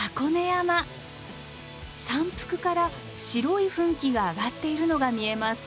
山腹から白い噴気が上がっているのが見えます。